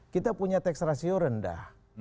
kita punya tax ratio rendah